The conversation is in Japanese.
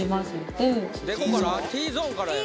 Ｔゾーンからよ